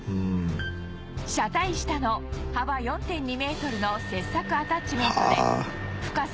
車体下の幅 ４．２ メートルの切削アタッチメントで深さ